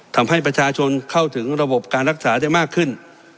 ทำให้ประชาชนเข้าถึงระบบการรักษาได้มากขึ้น